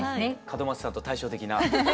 門松さんと対照的な。